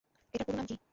এটার পুরো নাম কী?